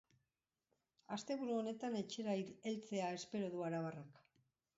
Asteburu honetan etxera heltzea espero du arabarrak.